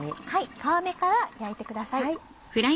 皮目から焼いてください。